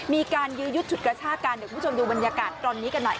มีการยื้อยุดฉุดกระชากันเดี๋ยวคุณผู้ชมดูบรรยากาศตอนนี้กันหน่อย